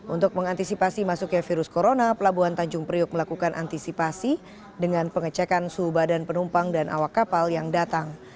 untuk mengantisipasi masuknya virus corona pelabuhan tanjung priuk melakukan antisipasi dengan pengecekan suhu badan penumpang dan awak kapal yang datang